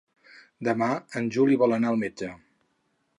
Demà en Juli vol anar al metge.